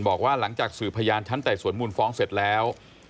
บอกว่าหลังจากสื่อพยานชั้นไต่สวนมูลฟ้องเสร็จแล้ว